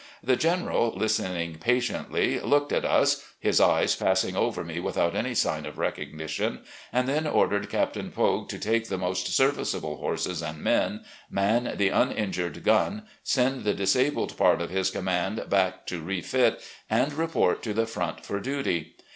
The General, Hstening patiently, looked at us — ^his eyes passing over me without any sign of recognition — ^and then ordered Captain Poague to take the most serviceable horses and men, man the uninjured gun, send the disabled part of his command back to refit, and report to the front for duty.